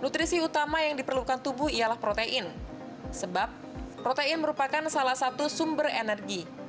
nutrisi utama yang diperlukan tubuh ialah protein sebab protein merupakan salah satu sumber energi